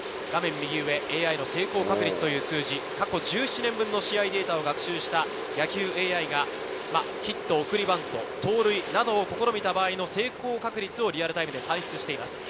右上、ＡＩの成功確率という数字、過去１７年分の試合でデータを学習した野球ＡＩが、ヒット、送りバント、盗塁などを試みた場合の成功確率をリアルタイムで算出しています。